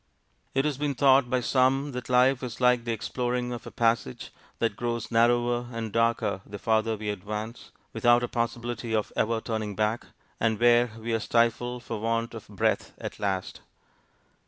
It has been thought by some that life is like the exploring of a passage that grows narrower and darker the farther we advance, without a possibility of ever turning back, and where we are stifled for want of breath at last.